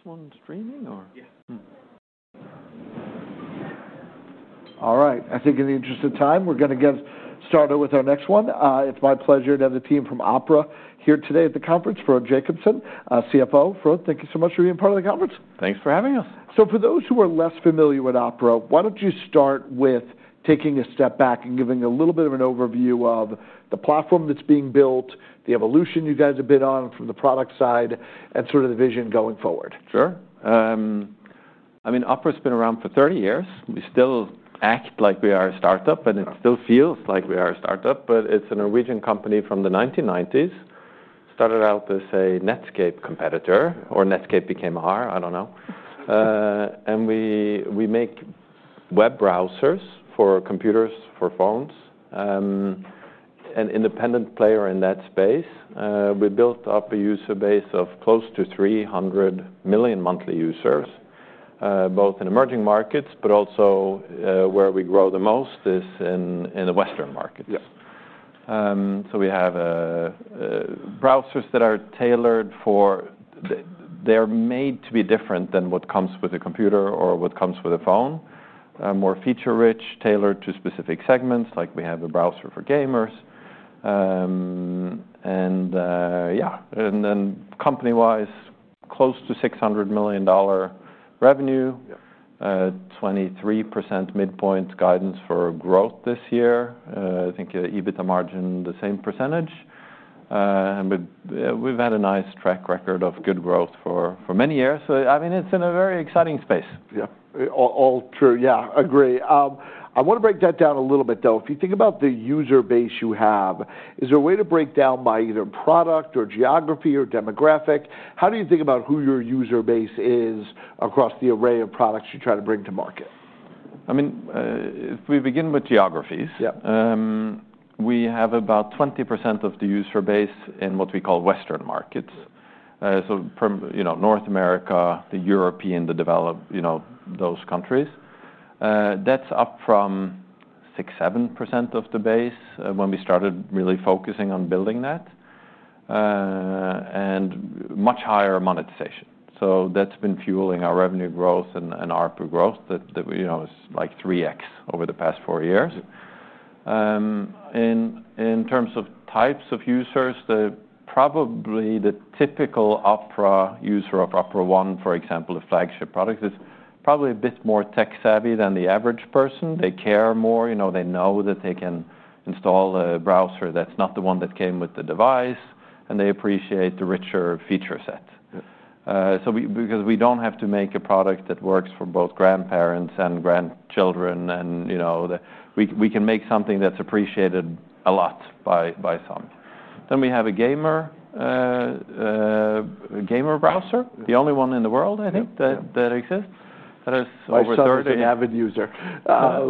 This one's streaming, or? Yeah. All right. I think in the interest of time, we're going to get started with our next one. It's my pleasure to have the team from Opera here today at the conference, Frode Jacobsen, CFO. Frode, thank you so much for being part of the conference. Thanks for having us. For those who are less familiar with Opera, why don't you start with taking a step back and giving a little bit of an overview of the platform that's being built, the evolution you guys have been on from the product side, and sort of the vision going forward? Sure. I mean, Opera's been around for 30 years. We still act like we are a startup, and it still feels like we are a startup. It's a Norwegian company from the 1990s. It started out as a Netscape competitor, or Netscape became ours, I don't know. We make web browsers for computers, for phones, an independent player in that space. We built up a user base of close to 300 million monthly users, both in emerging markets, but also where we grow the most is in the Western markets. We have browsers that are tailored for they're made to be different than what comes with a computer or what comes with a phone, more feature-rich, tailored to specific segments. We have a browser for gamers. Company-wise, close to $600 million revenue, 23% midpoint guidance for growth this year. I think EBITDA margin, the same percentage. We've had a nice track record of good growth for many years. It's in a very exciting space. Yeah, all true. Yeah, agree. I want to break that down a little bit, though. If you think about the user base you have, is there a way to break down by either product or geography or demographic? How do you think about who your user base is across the array of products you try to bring to market? If we begin with geographies, we have about 20% of the user base in what we call Western markets. North America, the European, the developed, those countries. That's up from 6% to 7% of the base when we started really focusing on building that, and much higher monetization. That's been fueling our revenue growth and ARPU growth. It's like 3x over the past four years. In terms of types of users, probably the typical Opera user of Opera One, for example, a flagship product, is probably a bit more tech-savvy than the average person. They care more. They know that they can install a browser that's not the one that came with the device, and they appreciate the richer feature set. We don't have to make a product that works for both grandparents and grandchildren, and we can make something that's appreciated a lot by some. We have a gamer browser, the only one in the world, I think, that exists. I started as an avid user.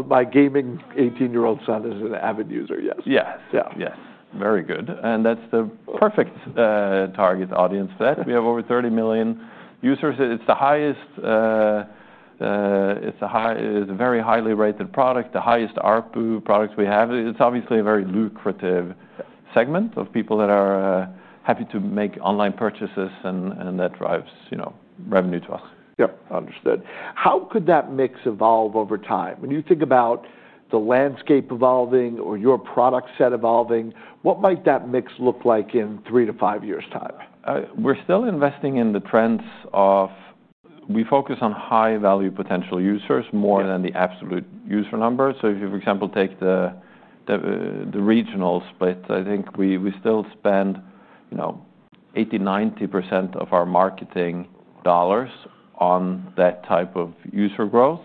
My gaming 18-year-old son is an avid user, yes. Yes, yes, very good. That's the perfect target audience for that. We have over 30 million users. It's a very highly rated product, the highest ARPU product we have. It's obviously a very lucrative segment of people that are happy to make online purchases, and that drives revenue to us. Yeah, understood. How could that mix evolve over time? When you think about the landscape evolving or your product set evolving, what might that mix look like in three to five years' time? We're still investing in the trends of we focus on high-value potential users more than the absolute user number. For example, if you take the regional split, I think we still spend 80% to 90% of our marketing dollars on that type of user growth,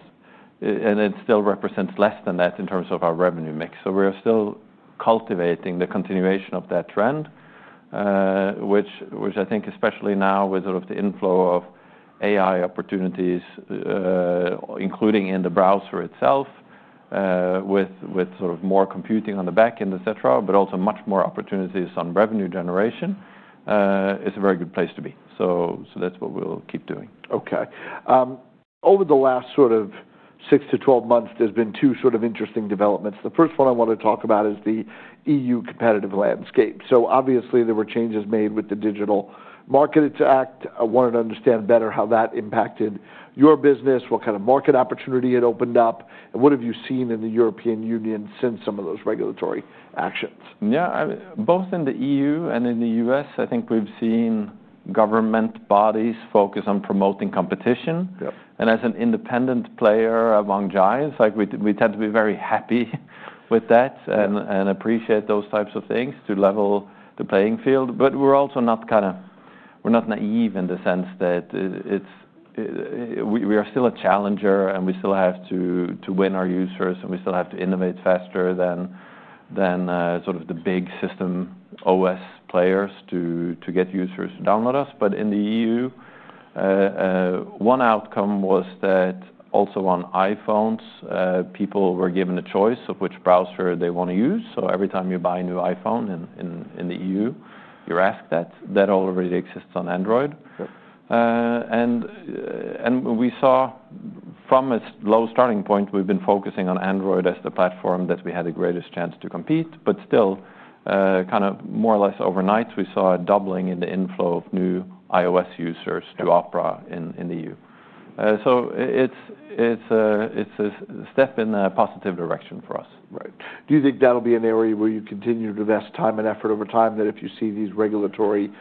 and it still represents less than that in terms of our revenue mix. We are still cultivating the continuation of that trend, which I think, especially now with the inflow of AI opportunities, including in the browser itself, with more computing on the back end, et cetera, but also much more opportunities on revenue generation, is a very good place to be. That's what we'll keep doing. OK. Over the last sort of 6 to 12 months, there's been two sort of interesting developments. The first one I want to talk about is the EU competitive landscape. Obviously, there were changes made with the Digital Markets Act. I wanted to understand better how that impacted your business, what kind of market opportunity it opened up, and what have you seen in the European Union since some of those regulatory actions? Yeah, both in the EU and in the U.S., I think we've seen government bodies focus on promoting competition. As an independent player among giants, we tend to be very happy with that and appreciate those types of things to level the playing field. We're also not naive in the sense that we are still a challenger, and we still have to win our users, and we still have to innovate faster than the big system OS players to get users to download us. In the EU, one outcome was that also on iPhones, people were given the choice of which browser they want to use. Every time you buy a new iPhone in the EU, you're asked that. That already exists on Android. We saw from a low starting point, we've been focusing on Android as the platform that we had the greatest chance to compete. Still, more or less overnight, we saw a doubling in the inflow of new iOS users to Opera in the EU. It's a step in a positive direction for us. Right. Do you think that'll be an area where you continue to invest time and effort over time, that if you see these regulatory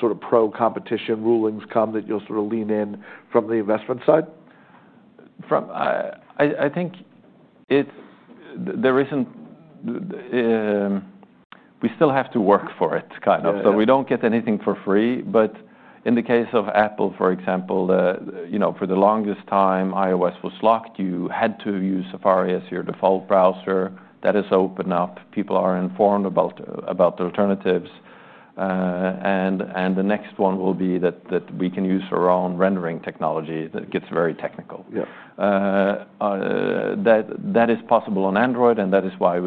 sort of pro-competition rulings come, that you'll sort of lean in from the investment side? I think there isn't, we still have to work for it, kind of. We don't get anything for free. In the case of Apple, for example, for the longest time, iOS was locked. You had to use Safari as your default browser. That has opened up. People are informed about the alternatives. The next one will be that we can use our own rendering technology. That gets very technical. That is possible on Android, and that is why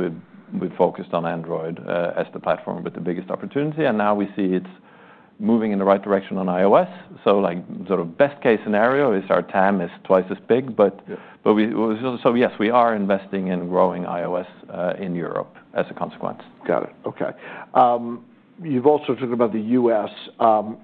we focused on Android as the platform with the biggest opportunity. Now we see it's moving in the right direction on iOS. The best-case scenario is our TAM is twice as big. Yes, we are investing in growing iOS in Europe as a consequence. Got it. OK. You've also talked about the U.S.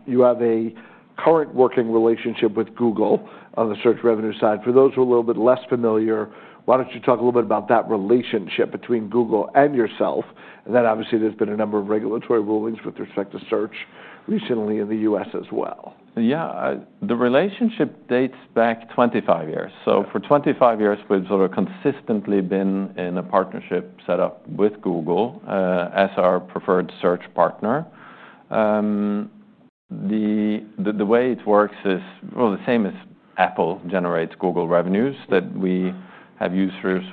You have a current working relationship with Google on the search revenue side. For those who are a little bit less familiar, why don't you talk a little bit about that relationship between Google and yourself? There's been a number of regulatory rulings with respect to search recently in the U.S. as well. Yeah, the relationship dates back 25 years. For 25 years, we've consistently been in a partnership setup with Google as our preferred search partner. The way it works is the same as Apple generates Google revenues, that we have users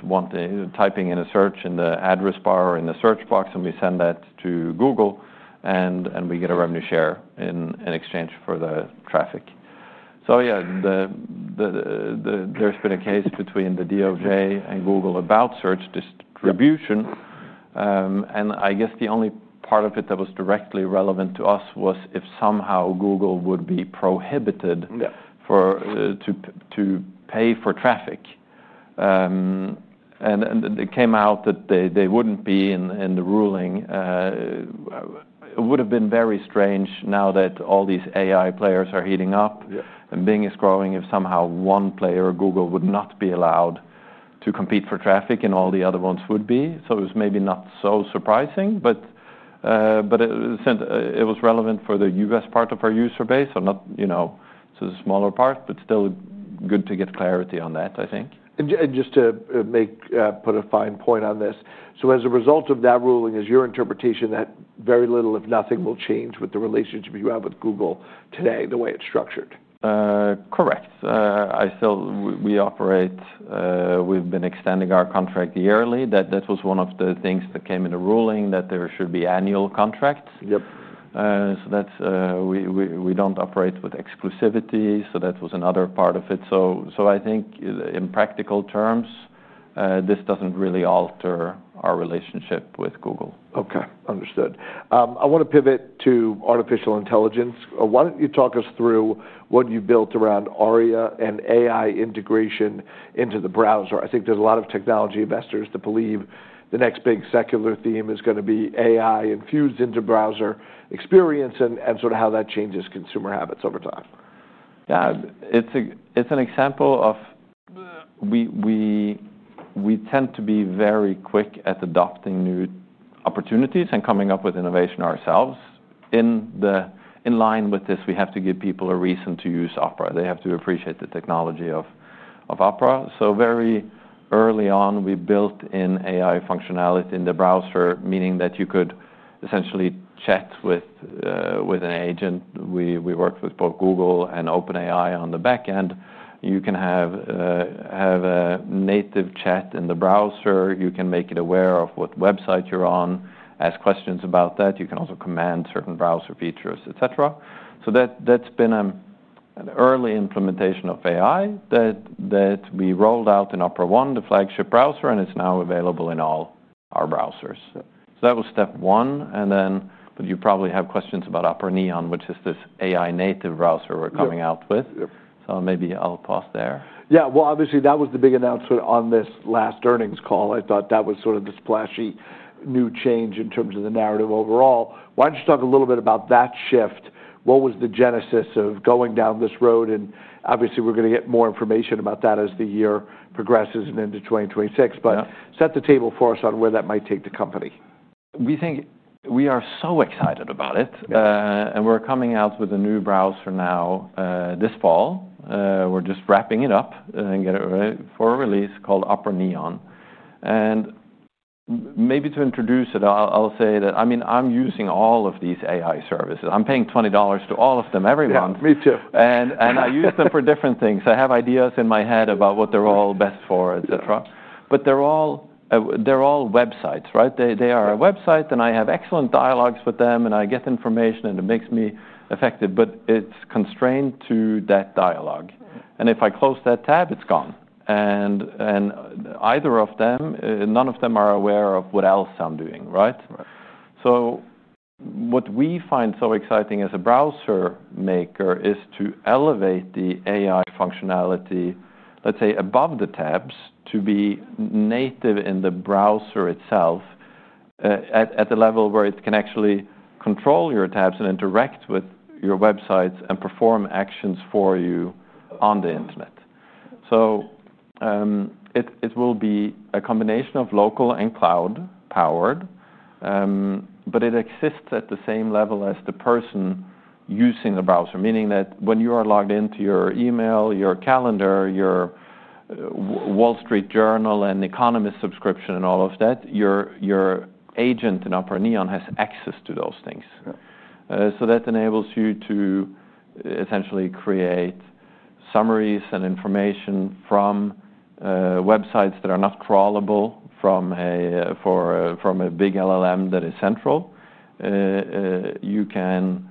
typing in a search in the address bar or in the search box, and we send that to Google, and we get a revenue share in exchange for the traffic. There's been a case between the U.S. Department of Justice and Google about search distribution. The only part of it that was directly relevant to us was if somehow Google would be prohibited to pay for traffic. It came out that they wouldn't be in the ruling. It would have been very strange now that all these AI players are heating up and Bing is growing, if somehow one player, Google, would not be allowed to compete for traffic and all the other ones would be. It was maybe not so surprising. It was relevant for the U.S. part of our user base, so the smaller part, but still good to get clarity on that, I think. To put a fine point on this, as a result of that ruling, is your interpretation that very little, if anything, will change with the relationship you have with Google today, the way it's structured? Correct. We operate, we've been extending our contract yearly. That was one of the things that came in the ruling, that there should be annual contracts. We don't operate with exclusivity. That was another part of it. I think in practical terms, this doesn't really alter our relationship with Google. OK, understood. I want to pivot to artificial intelligence. Why don't you talk us through what you built around ARIA and AI integration into the browser? I think there's a lot of technology investors that believe the next big secular theme is going to be AI infused into browser experience and sort of how that changes consumer habits over time. Yeah, it's an example of we tend to be very quick at adopting new opportunities and coming up with innovation ourselves. In line with this, we have to give people a reason to use Opera. They have to appreciate the technology of Opera. Very early on, we built in AI functionality in the browser, meaning that you could essentially chat with an agent. We worked with both Google and OpenAI on the back end. You can have a native chat in the browser. You can make it aware of what website you're on, ask questions about that. You can also command certain browser features, etc. That's been an early implementation of AI that we rolled out in Opera One, the flagship browser, and it's now available in all our browsers. That was step one. You probably have questions about Opera Neon, which is this AI-native browser we're coming out with. Maybe I'll pause there. Yeah, obviously, that was the big announcement on this last earnings call. I thought that was sort of the splashy new change in terms of the narrative overall. Why don't you talk a little bit about that shift? What was the genesis of going down this road? Obviously, we're going to get more information about that as the year progresses and into 2026. Set the table for us on where that might take the company. We think we are so excited about it. We're coming out with a new browser this fall. We're just wrapping it up and getting it ready for a release called Opera Neon. Maybe to introduce it, I'll say that I'm using all of these AI services. I'm paying $20 to all of them every month. Yeah, me too. I use them for different things. I have ideas in my head about what they're all best for, et cetera. They're all websites, right? They are a website, and I have excellent dialogues with them, and I get information, and it makes me effective. It is constrained to that dialogue. If I close that tab, it's gone. None of them are aware of what else I'm doing, right? What we find so exciting as a browser maker is to elevate the AI functionality, let's say, above the tabs to be native in the browser itself at a level where it can actually control your tabs and interact with your websites and perform actions for you on the internet. It will be a combination of local and cloud-powered. It exists at the same level as the person using the browser, meaning that when you are logged into your email, your calendar, your Wall Street Journal and Economist subscription, and all of that, your agent in Opera Neon has access to those things. That enables you to essentially create summaries and information from websites that are not crawlable from a big LLM that is central. You can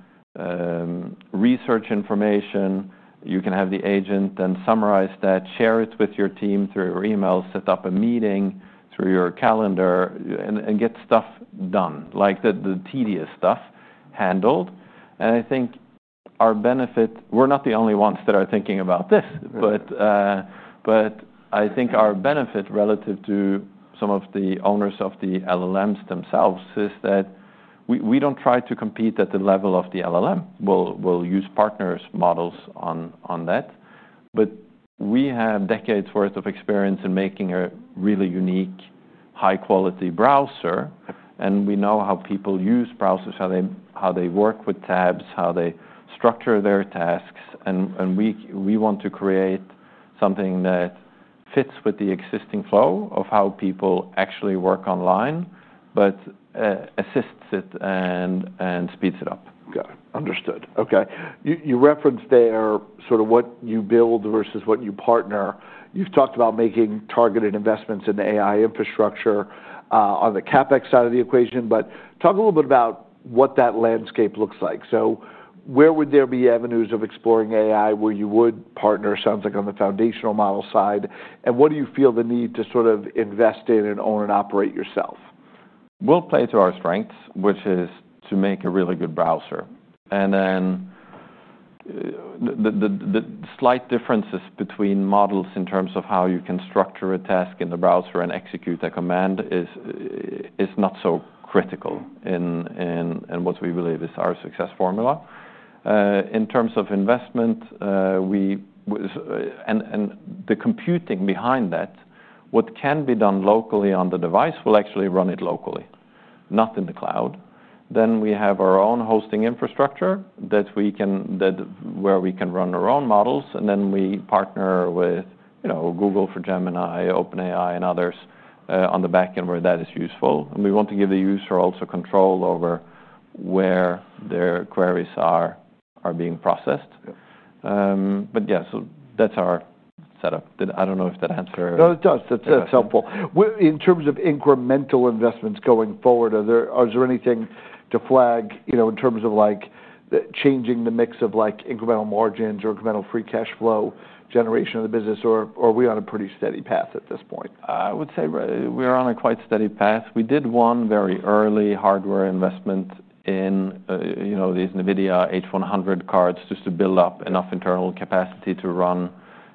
research information. You can have the agent then summarize that, share it with your team through your email, set up a meeting through your calendar, and get stuff done, like the tedious stuff handled. I think our benefit, we're not the only ones that are thinking about this. I think our benefit relative to some of the owners of the LLMs themselves is that we don't try to compete at the level of the LLM. We'll use partners' models on that. We have decades' worth of experience in making a really unique, high-quality browser. We know how people use browsers, how they work with tabs, how they structure their tasks. We want to create something that fits with the existing flow of how people actually work online, but assists it and speeds it up. Got it. Understood. OK. You referenced there sort of what you build versus what you partner. You've talked about making targeted investments in the AI infrastructure on the CapEx side of the equation. Talk a little bit about what that landscape looks like. Where would there be avenues of exploring AI where you would partner, sounds like, on the foundational model side? What do you feel the need to sort of invest in and own and operate yourself? We'll play to our strengths, which is to make a really good browser. The slight differences between models in terms of how you can structure a task in the browser and execute a command is not so critical in what we believe is our success formula. In terms of investment and the computing behind that, what can be done locally on the device will actually run it locally, not in the cloud. We have our own hosting infrastructure where we can run our own models. We partner with Google for Gemini, OpenAI, and others on the back end where that is useful. We want to give the user also control over where their queries are being processed. That's our setup. I don't know if that answers. No, it does. That's helpful. In terms of incremental investments going forward, is there anything to flag in terms of changing the mix of incremental margins or incremental free cash flow generation of the business, or are we on a pretty steady path at this point? I would say we're on a quite steady path. We did one very early hardware investment in these NVIDIA H100 cards just to build up enough internal capacity to run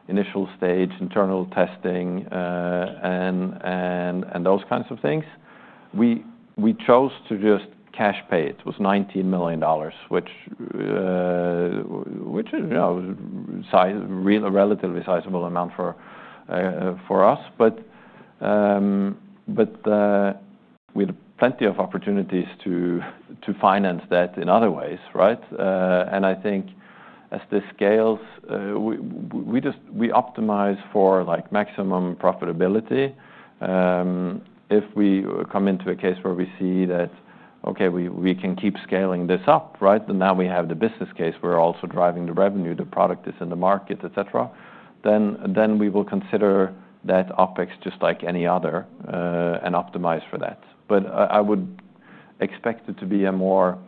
initial stage internal testing and those kinds of things. We chose to just cash pay it. It was $19 million, which is a relatively sizable amount for us. We had plenty of opportunities to finance that in other ways, right? I think as this scales, we optimize for maximum profitability. If we come into a case where we see that, OK, we can keep scaling this up, right? Now we have the business case. We're also driving the revenue. The product is in the market, et cetera. We will consider that OpEx just like any other and optimize for that. I would expect it to be a more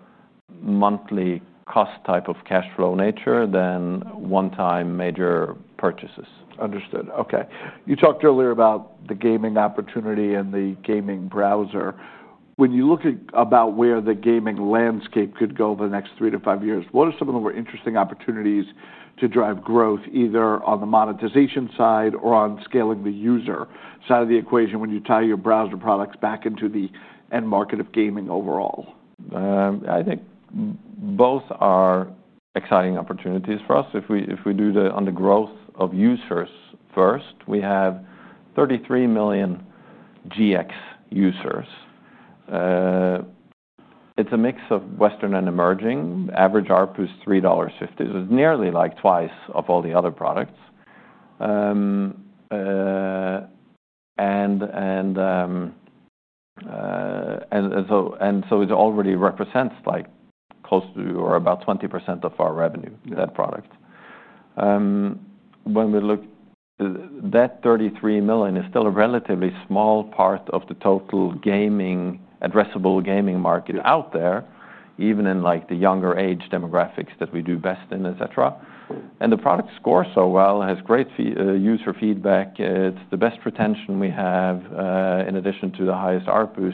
monthly cost type of cash flow nature than one-time major purchases. Understood. OK. You talked earlier about the gaming opportunity and the gaming browser. When you look about where the gaming landscape could go over the next three to five years, what are some of the more interesting opportunities to drive growth, either on the monetization side or on scaling the user side of the equation when you tie your browser products back into the end market of gaming overall? I think both are exciting opportunities for us. If we do the growth of users first, we have 33 million GX users. It's a mix of Western and emerging. Average ARPU is $3.50. It's nearly like twice of all the other products, and it already represents close to or about 20% of our revenue in that product. When we look, that 33 million is still a relatively small part of the total addressable gaming market out there, even in the younger age demographics that we do best in, et cetera. The product scores so well, has great user feedback. It's the best retention we have, in addition to the highest ARPU.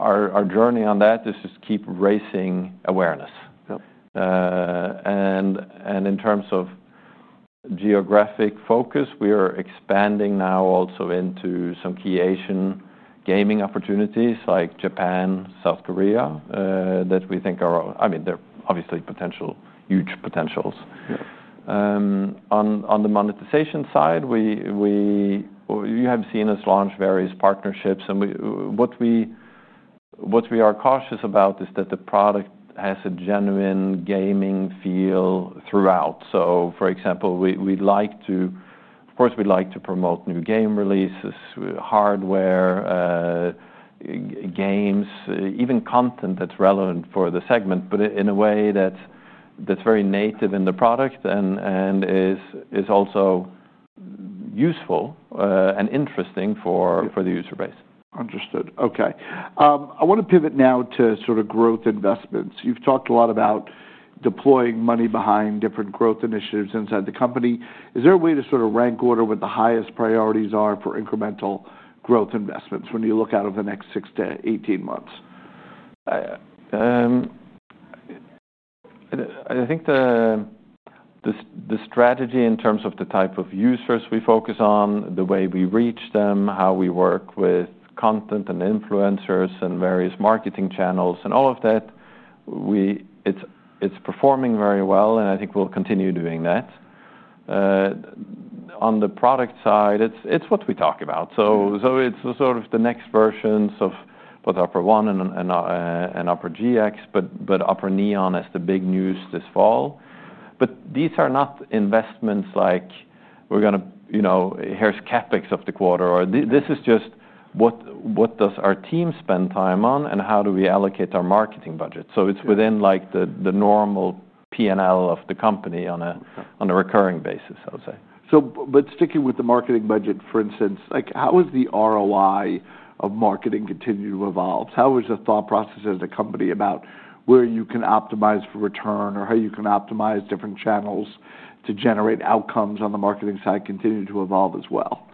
Our journey on that is just keep raising awareness. In terms of geographic focus, we are expanding now also into some key Asian gaming opportunities, like Japan, South Korea, that we think are, I mean, they're obviously huge potentials. On the monetization side, you have seen us launch various partnerships. What we are cautious about is that the product has a genuine gaming feel throughout. For example, we'd like to, of course, we'd like to promote new game releases, hardware, games, even content that's relevant for the segment, but in a way that's very native in the product and is also useful and interesting for the user base. Understood. OK. I want to pivot now to sort of growth investments. You've talked a lot about deploying money behind different growth initiatives inside the company. Is there a way to sort of rank order what the highest priorities are for incremental growth investments when you look out over the next 6 to 18 months? I think the strategy in terms of the type of users we focus on, the way we reach them, how we work with content and influencers and various marketing channels, all of that, it's performing very well. I think we'll continue doing that. On the product side, it's what we talk about. It's sort of the next versions of both Opera One and Opera GX, but Opera Neon is the big news this fall. These are not investments like we're going to, you know, here's CapEx of the quarter. This is just what does our team spend time on, and how do we allocate our marketing budget? It's within the normal P&L of the company on a recurring basis, I would say. Sticking with the marketing budget, for instance, how is the ROI of marketing continuing to evolve? How is the thought process at the company about where you can optimize for return or how you can optimize different channels to generate outcomes on the marketing side continue to evolve as well?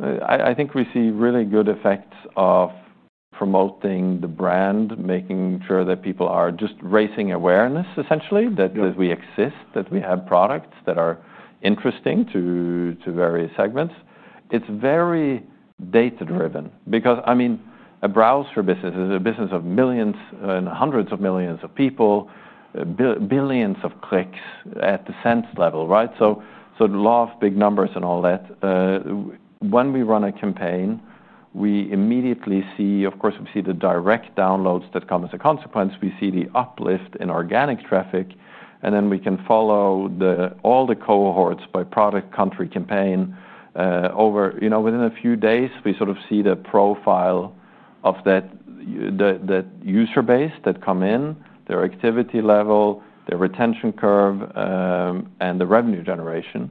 I think we see really good effects of promoting the brand, making sure that people are just raising awareness, essentially, that we exist, that we have products that are interesting to various segments. It's very data-driven because, I mean, a browser business is a business of millions and hundreds of millions of people, billions of clicks at the cent level, right? Love big numbers and all that. When we run a campaign, we immediately see, of course, we see the direct downloads that come as a consequence. We see the uplift in organic traffic. We can follow all the cohorts by product, country, campaign. Within a few days, we sort of see the profile of that user base that come in, their activity level, their retention curve, and the revenue generation.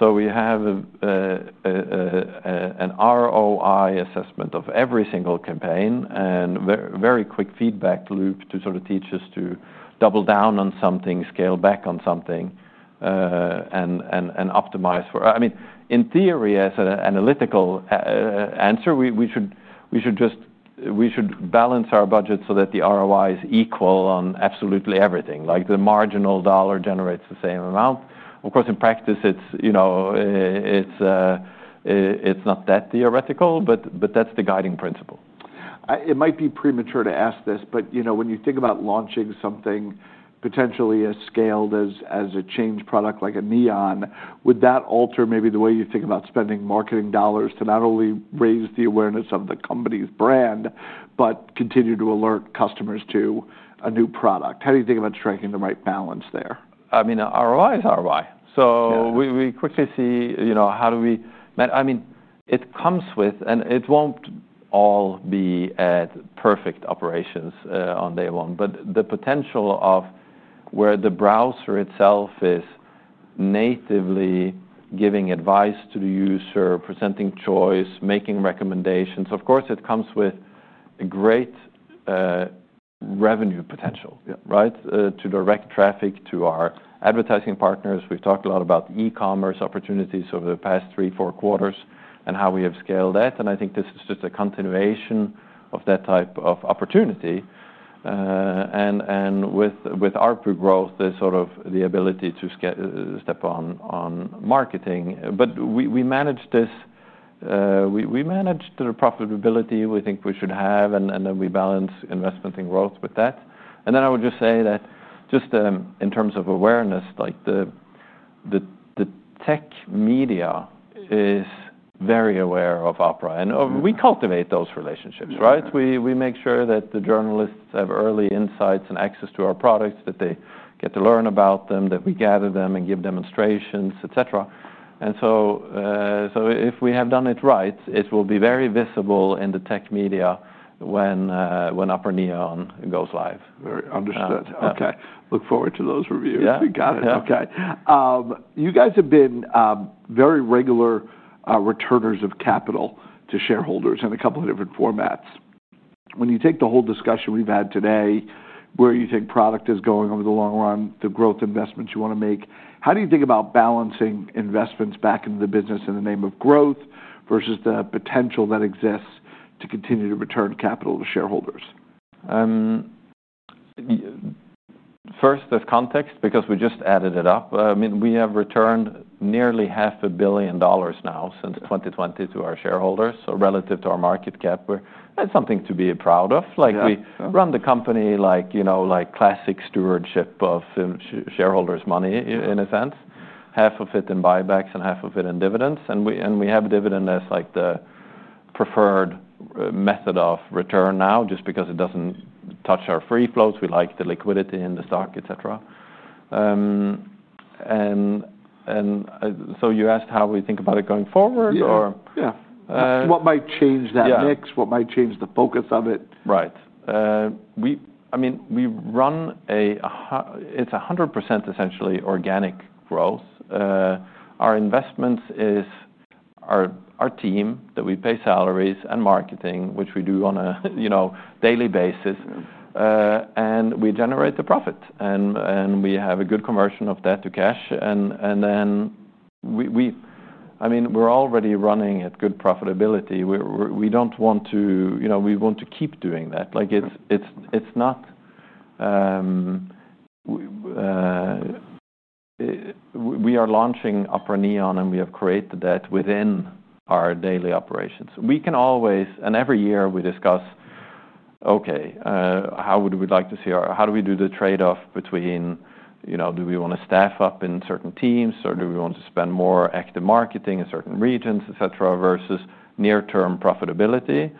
We have an ROI assessment of every single campaign and a very quick feedback loop to sort of teach us to double down on something, scale back on something, and optimize for, I mean, in theory, as an analytical answer, we should balance our budget so that the ROI is equal on absolutely everything. The marginal dollar generates the same amount. Of course, in practice, it's not that theoretical, but that's the guiding principle. It might be premature to ask this, but when you think about launching something potentially as scaled as a change product like Neon, would that alter maybe the way you think about spending marketing dollars to not only raise the awareness of the company's brand, but continue to alert customers to a new product? How do you think about striking the right balance there? ROI is ROI. We quickly see how do we, I mean, it comes with, and it won't all be perfect operations on day one. The potential of where the browser itself is natively giving advice to the user, presenting choice, making recommendations, of course, it comes with a great revenue potential, right, to direct traffic to our advertising partners. We've talked a lot about e-commerce opportunities over the past three, four quarters, and how we have scaled that. I think this is just a continuation of that type of opportunity. With ARPU growth, there's sort of the ability to step on marketing. We managed this. We managed the profitability we think we should have, and then we balance investment and growth with that. I would just say that just in terms of awareness, like the tech media is very aware of Opera. We cultivate those relationships, right? We make sure that the journalists have early insights and access to our products, that they get to learn about them, that we gather them and give demonstrations, et cetera. If we have done it right, it will be very visible in the tech media when Opera Neon goes live. Understood. OK. Look forward to those reviews. Got it. OK. You guys have been very regular returners of capital to shareholders in a couple of different formats. When you take the whole discussion we've had today, where you think product is going over the long run, the growth investments you want to make, how do you think about balancing investments back into the business in the name of growth versus the potential that exists to continue to return capital to shareholders? First, as context, because we just added it up, we have returned nearly $500 million now since 2020 to our shareholders. Relative to our market cap, that's something to be proud of. We run the company like classic stewardship of shareholders' money, in a sense, half of it in buybacks and half of it in dividends. We have dividend as the preferred method of return now, just because it doesn't touch our free flows. We like the liquidity in the stock, et cetera. You asked how we think about it going forward, or? Yeah. What might change that mix? What might change the focus of it? Right. I mean, we run a, it's 100% essentially organic growth. Our investments are our team that we pay salaries and marketing, which we do on a daily basis. We generate the profits, and we have a good conversion of that to cash. We're already running at good profitability. We want to keep doing that. We are launching Opera Neon, and we have created that within our daily operations. Every year, we discuss, OK, how would we like to see our, how do we do the trade-off between, you know, do we want to staff up in certain teams, or do we want to spend more active marketing in certain regions, et cetera, versus near-term profitability?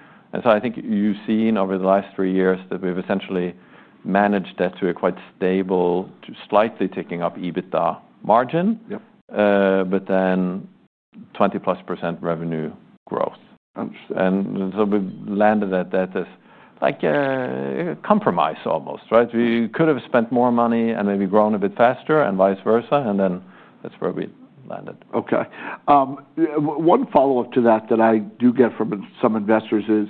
I think you've seen over the last three years that we've essentially managed that to a quite stable, slightly ticking up EBITDA margin, but then 20+% revenue growth. We've landed at that as like a compromise almost, right? We could have spent more money and maybe grown a bit faster and vice versa. That's where we landed. OK. One follow-up to that that I do get from some investors is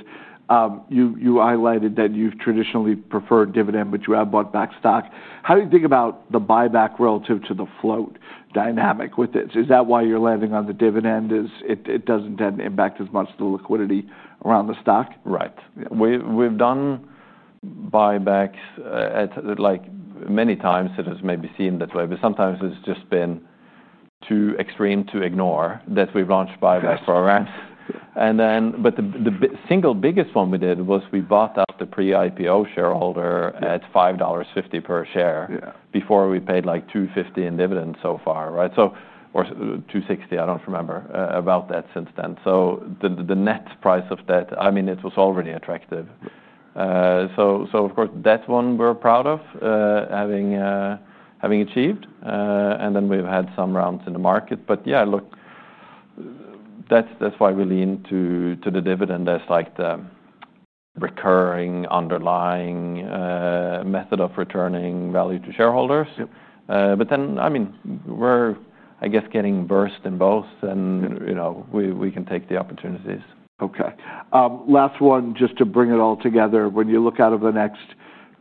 you highlighted that you've traditionally preferred dividends, but you have bought back stock. How do you think about the buyback relative to the float dynamic with this? Is that why you're landing on the dividend? It doesn't then impact as much the liquidity around the stock? Right. We've done buybacks at many times that have maybe seemed that way. Sometimes it's just been too extreme to ignore that we've launched buyback programs. The single biggest one we did was we bought out the pre-IPO shareholder at $5.50 per share before we paid $2.50 in dividends so far, right? Or $2.60, I don't remember about that since then. The net price of that, I mean, it was already attractive. Of course, that's one we're proud of having achieved. We've had some rounds in the market. That's why we lean to the dividend as the recurring underlying method of returning value to shareholders. I guess we're getting versed in both, and you know, we can take the opportunities. OK. Last one, just to bring it all together. When you look out over the next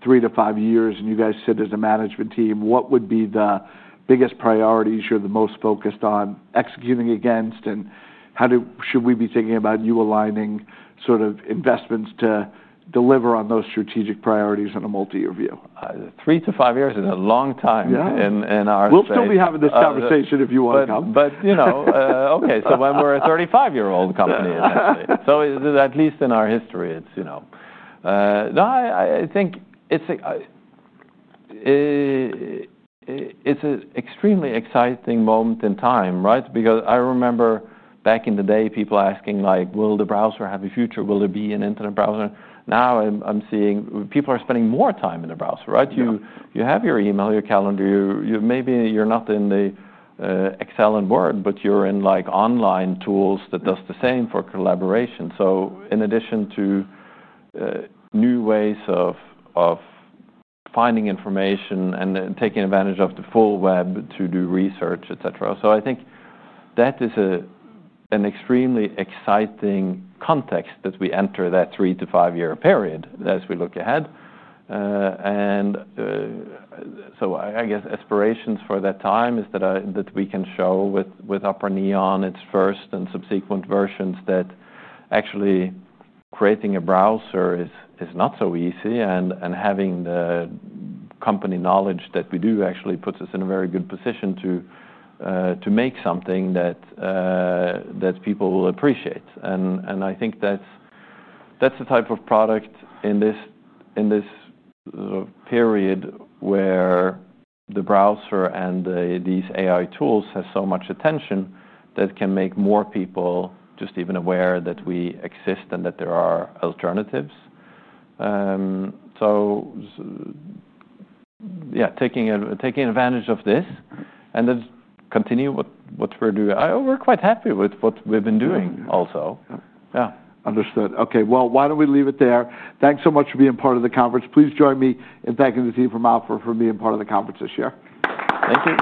three to five years and you guys sit as a management team, what would be the biggest priorities you're the most focused on executing against? How should we be thinking about you aligning sort of investments to deliver on those strategic priorities on a multi-year view? Three to five years is a long time in our space. We'll still be having this conversation if you want to come. When we're a 35-year-old company in that space, at least in our history, it's an extremely exciting moment in time, right? I remember back in the day, people asking, will the browser have a future? Will there be an internet browser? Now I'm seeing people are spending more time in the browser, right? You have your email, your calendar. Maybe you're not in Excel and Word, but you're in online tools that do the same for collaboration. In addition to new ways of finding information and taking advantage of the full web to do research, et cetera, I think that is an extremely exciting context as we enter that three to five-year period as we look ahead. I guess aspirations for that time are that we can show with Opera Neon, its first and subsequent versions, that actually creating a browser is not so easy. Having the company knowledge that we do actually puts us in a very good position to make something that people will appreciate. I think that's the type of product in this period where the browser and these AI tools have so much attention that can make more people just even aware that we exist and that there are alternatives. Taking advantage of this and continuing what we're doing, we're quite happy with what we've been doing also. Yeah, understood. OK, why don't we leave it there? Thanks so much for being part of the conference. Please join me in thanking the team from Opera for being part of the conference this year. Thank you.